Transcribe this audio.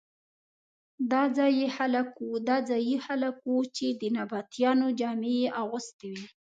دا ځايي خلک وو چې د نبطیانو جامې یې اغوستې وې.